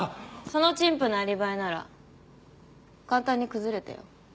その陳腐なアリバイなら簡単に崩れたよ。